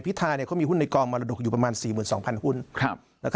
พิธาเขามีหุ้นในกองมรดกอยู่ประมาณ๔๒๐๐หุ้น